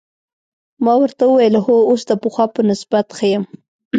ما ورته وویل: هو، اوس د پخوا په نسبت ښه یم.